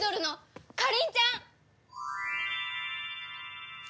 かかりんちゃん！？